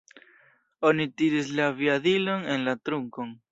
Oni tiris la aviadilon en la trunkon.